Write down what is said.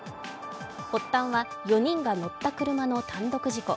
発端は４人が乗った車の単独事故。